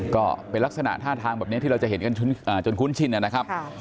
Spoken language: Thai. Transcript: ก็เป็นลักษณะท่าทางแบบนี้ที่เราจะเห็นกันจนคุ้นชินนะครับ